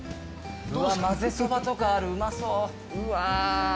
まぜそばとかあるうまそう。